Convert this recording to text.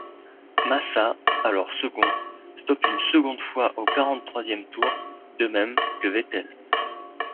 Massa, alors second, stoppe une seconde fois au quarante-troisième tour, de même que Vettel.